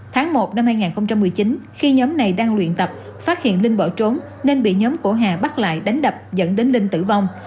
tháng một năm hai nghìn một mươi chín khi nhóm này đang luyện tập phát hiện linh bỏ trốn nên bị nhóm của hà bắt lại đánh đập dẫn đến linh tử vong